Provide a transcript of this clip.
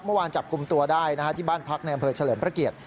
เมื่อวานจับกลุ่มตัวได้นะครับที่บ้านพักในอำเภอเฉลิมพระเกียจ